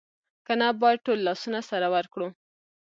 که نه باید ټول لاسونه سره ورکړو